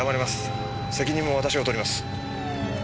責任も私が取ります。